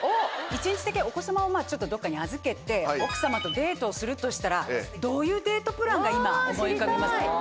一日だけお子様をちょっとどこかに預けて奥様とデートをするとしたらどういうデートプランが今思い浮かびますか？